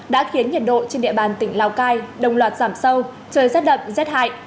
đã khiến nhiệt độ trên địa bàn tỉnh lào cai đồng loạt giảm sâu trời rất đậm rất hại